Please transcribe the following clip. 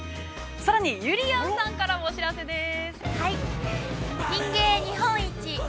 さらにゆりやんさんからもお知らせです。